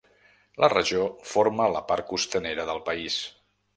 La regió forma la part costanera del país.